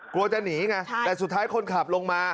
กลัวจะหนีไงแต่สุดท้ายคนขับลงมา